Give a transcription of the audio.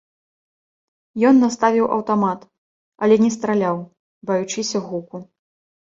Ён наставіў аўтамат, але не страляў, баючыся гуку.